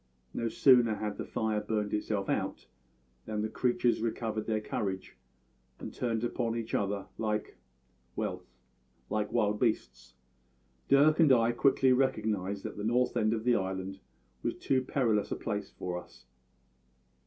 No sooner had the fire burned itself out than the creatures recovered their courage and turned upon each other like well, like wild beasts. Dirk and I quickly recognised that the north end of the island was too perilous a place for us.